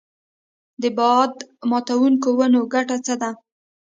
د باد ماتوونکو ونو ګټه څه ده؟